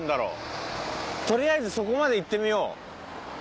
とりあえずそこまで行ってみよう。